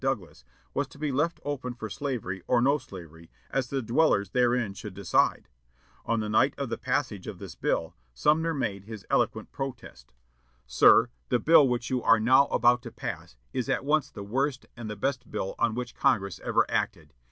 Douglas, was to be left open for slavery or no slavery, as the dwellers therein should decide. On the night of the passage of this bill, Sumner made an eloquent protest. "Sir, the bill which you are now about to pass is at once the worst and the best bill on which Congress ever acted.